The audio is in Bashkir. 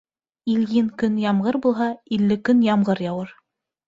Ильин көн ямғыр булһа, илле көн ямғыр яуыр.